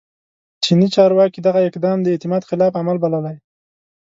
چیني چارواکي دغه اقدام د اعتماد خلاف عمل بللی